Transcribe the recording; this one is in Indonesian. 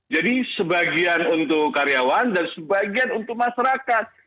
jadi sebagian untuk karyawan dan sebagian untuk masyarakat